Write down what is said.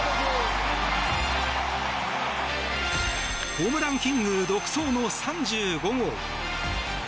ホームランキング独走の３５号！